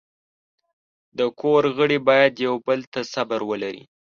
د کور غړي باید یو بل ته صبر ولري.